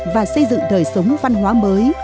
và xây dựng đời sống văn hóa mới